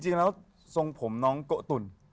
จริงแล้วทรงผมน้องโกะตุ่น